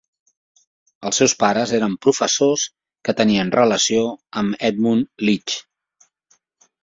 Els seus pares eren professors que tenien relació amb Edmund Leach.